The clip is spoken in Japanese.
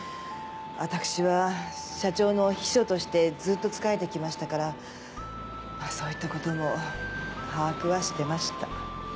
私は社長の秘書としてずっと仕えてきましたからまぁそういったことも把握はしてました。